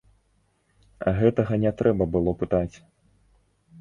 Гэтага не трэба было пытаць.